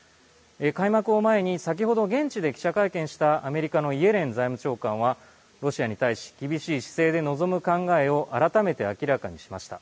開幕を前に先ほど、現地で記者会見したアメリカのイエレン財務長官はロシアに対し厳しい姿勢で臨む考えを改めて明らかにしました。